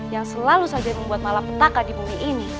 yang selalu saja membuat malapetaka di bumi ini